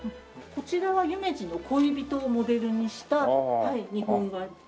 こちらは夢二の恋人をモデルにした日本画になります。